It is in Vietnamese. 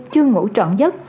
chưa ngủ trọn giấc